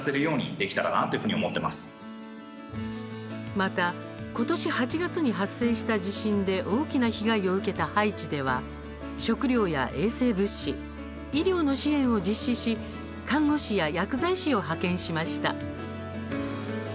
また、ことし８月に発生した地震で大きな被害を受けたハイチでは食料や衛生物資医療の支援を実施し看護師や薬剤師を派遣しました。